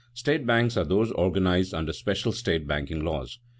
State banks are those organized under special state banking laws.